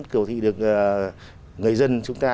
cầu thi được người dân chúng ta